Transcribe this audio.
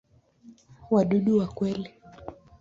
Wadudu wa kweli.